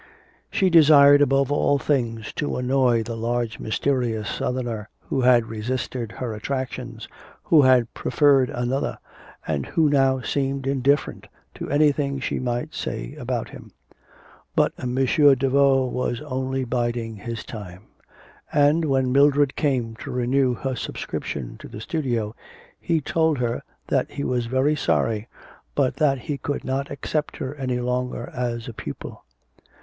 She desired above all things to annoy the large mysterious Southerner who had resisted her attractions, who had preferred another, and who now seemed indifferent to anything she might say about him. But M. Daveau was only biding his time; and when Mildred came to renew her subscription to the studio, he told her that he was very sorry, but that he could not accept her any longer as a pupil.